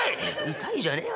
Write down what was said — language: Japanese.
「痛いじゃねえよ